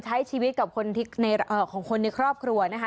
ใช้ชีวิตกับของคนในครอบครัวนะคะ